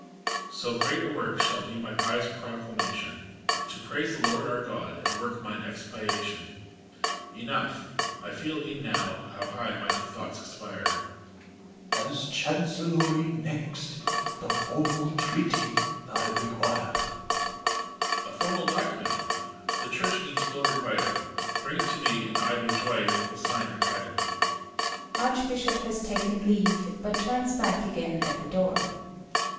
EMPEROR. So great a work shall be my pious proclamation ^22 FAUST. To praise the Lord our Gk)d, and work mine expiation. Enough! I feely e'en now, how high my thoughts aspire. ARCHBISHOP. As Chancellory next, the formal treaty I require. EMPKBOB. A formal document, — the Church needs full requital! Bring it to me, and I with joy will sign her title I ARCHBISHOP (has taken leave, but turns hack again at the door)